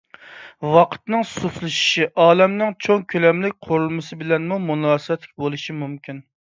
ۋاقىتنىڭ سۇسلىشىشى ئالەمنىڭ چوڭ كۆلەملىك قۇرۇلمىسى بىلەنمۇ مۇناسىۋەتلىك بولۇشى مۇمكىن.